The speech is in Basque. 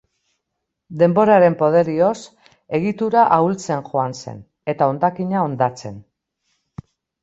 Denboraren poderioz, egitura ahultzen joan zen, eta hondakina hondatzen.